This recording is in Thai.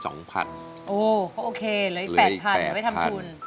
โอเคหรือ๘๐๐๐เหลือให้ทำทุน